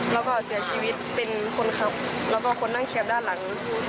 แล้วก็เสียชีวิตเป็นคนขับแล้วก็คนนั่งแคปด้านหลัง